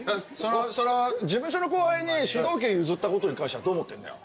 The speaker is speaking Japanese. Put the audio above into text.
事務所の後輩に主導権譲ったことに関してはどう思ってんだよ。